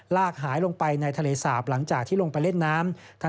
ลากหายลงไปในทะเลสาปหลังจากที่ลงไปเล่นน้ำ